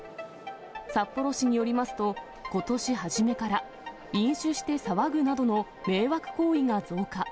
札幌市によりますと、ことし初めから、飲酒して騒ぐなどの迷惑行為が増加。